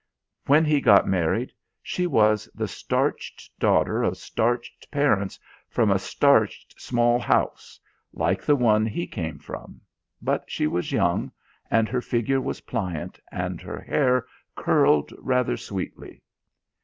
When he got married she was the starched daughter of starched parents from a starched small house like the one he came from but she was young, and her figure was pliant, and her hair curled rather sweetly.